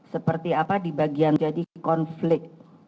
seperti apa di bagian jadi konflik